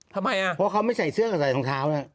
ทำไมอ่ะเพราะเขาไม่ใส่เสื้อกับใส่รองเท้านะ